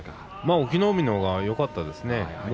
隠岐の海のほうがよかったですね。